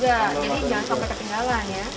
jadi jangan sampai ketinggalan ya